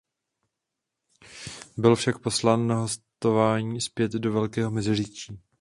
Byl však poslán na hostování zpět do Velkého Meziříčí.